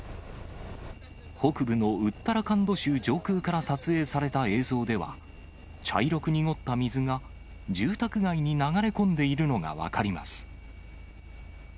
北部のウッタラカンド州上空から撮影された映像では、茶色く濁った水が住宅街に流れ込んでいるのが分かります。